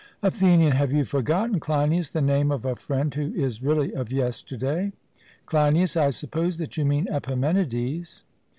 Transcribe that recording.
ATHENIAN: Have you forgotten, Cleinias, the name of a friend who is really of yesterday? CLEINIAS: I suppose that you mean Epimenides.